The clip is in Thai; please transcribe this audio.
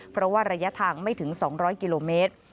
เพราะว่าระยะทางไม่ถึง๒๐๐กิโลเมตร